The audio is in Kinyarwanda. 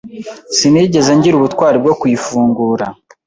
Sinigeze ngira ubutwari bwo kuyifungura.